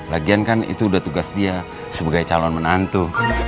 lagian kan itu udah tugas dia sebagai calon menantu